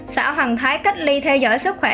xã hoàng thái cách ly theo dõi sức khỏe